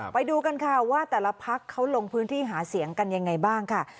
ไปดูกันค่ะว่าแต่ละพักเขาลงพื้นที่หาเสียงกันยังไงบ้างค่ะ